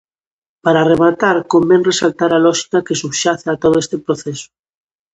Para rematar, convén resaltar a lóxica que subxace a todo este proceso.